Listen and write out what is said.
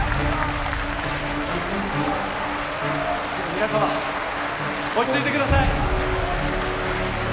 皆様落ち着いてください